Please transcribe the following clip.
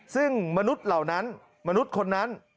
ซึ่งมนุษย์เหล่านั้นมนุษย์คนนั้น